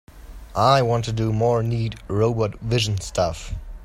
I want to do more neat robot vision stuff.